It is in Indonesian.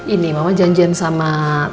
ini mama janjian sama